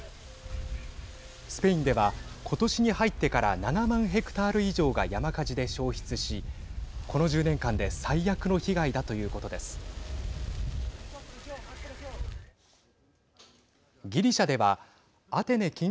スペインではことしに入ってから７万ヘクタール以上が山火事で焼失しこの１０年間で最悪の被害だということです。